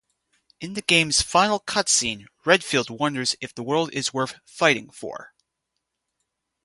In the game's final cutscene, Redfield wonders if the world is worth fighting for.